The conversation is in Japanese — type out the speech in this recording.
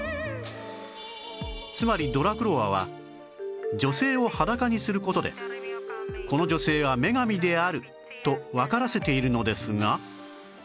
つまりドラクロワは女性を裸にする事でこの女性は女神であるとわからせているのですが